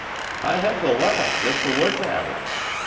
_ I had to laugh, jest to look at her.